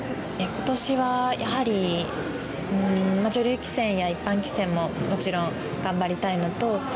今年はやはり女流棋戦や一般棋戦ももちろん頑張りたいのと。